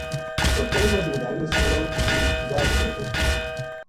اُت کنک ما زمیداراں نے سوراں جُگی زاہر دَھریو تھو